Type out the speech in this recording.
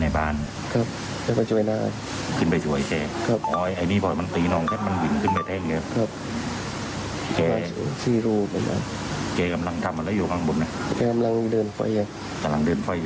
ไม่มันเล่งไล่กับมันตีเส้นมันเต็มเส้นมันกำลังไปเลยอะ